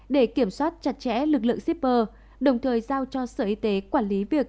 để kiểm soát chặt chẽ lực lượng shipper đồng thời giao cho sở y tế quản lý việc